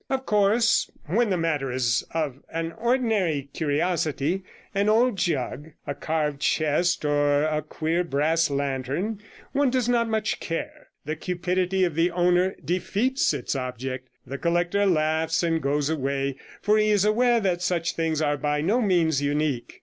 Of course, when it is a matter of an ordinary curiosity — an old jug, a carved chest, or a queer brass lantern — one does not much care; the cupidity of the owner defeats its object; the collector laughs and goes away, for he is aware that such things are by no means unique.